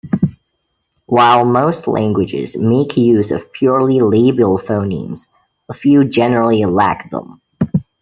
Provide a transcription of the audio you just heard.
While most languages make use of purely labial phonemes, a few generally lack them.